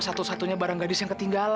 satu satunya barang gadis yang ketinggalan